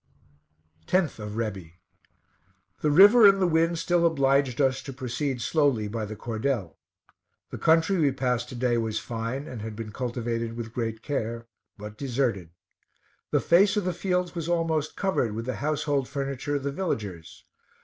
10th of Rebi. The river and the wind still obliged us to proceed slowly by the cordel. The country we passed to day was fine, and had been cultivated with great care, but deserted. The face of the fields was almost covered with the household furniture of the villagers.